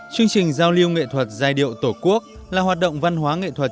chương trình giao lưu nghệ thuật giai điệu tổ quốc là hoạt động văn hóa nghệ thuật